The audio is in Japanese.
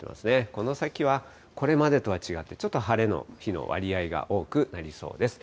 この先はこれまでとは違ってちょっと晴れの日の割合が多くなりそうです。